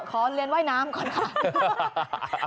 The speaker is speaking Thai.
ขอเรียนว่อยน้ำ